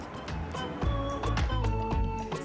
seporsi mie kari